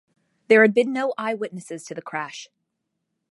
There had been no eyewitnesses to the crash.